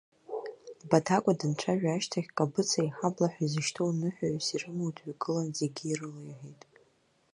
Баҭаҟәа данцәажәа ашьҭахь Кабыца иҳабла ҳәа изышьҭоу ныҳәаҩыс ирымоу дҩагылан зегьы ирылеиҳәеит.